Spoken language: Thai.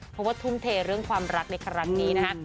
เพราะว่าทุ่มเทเรื่องความรักในครั้งนี้นะคะ